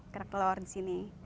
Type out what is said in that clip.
kerak telur di sini